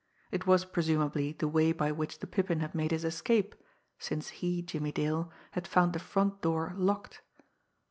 It was presumably the way by which the Pippin had made his escape, since he, Jimmie Dale, had found the front door locked.